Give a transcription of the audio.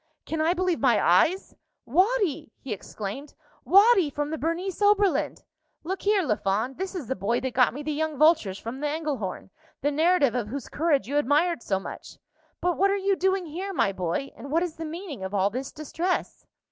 "Can I believe my eyes? Watty!" he exclaimed "Watty, from the Bernese Oberland! Look here, Lafond; this is the boy that got me the young vultures from the Engelhorn, the narrative of whose courage you admired so much. But what are you doing here, my boy? And what is the meaning of all this distress?"